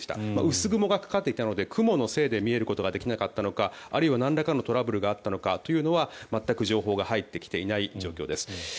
薄雲がかかっていたので雲のせいで見ることができなかったのかあるいは、なんらかのトラブルがあったのかというのは全く情報が入ってきていない状況です。